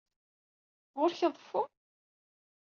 Ɣur-k aḍeffu?